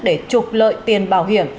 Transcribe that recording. để trục lợi tiền bảo hiểm